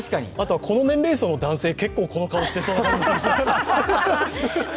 この年齢層の男性、結構この顔してそうな感じがします。